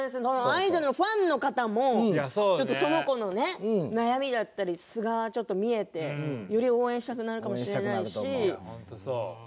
アイドルのファンの方もその子のね悩みだったり、素が見えてより応援したくなるかも本当にそう。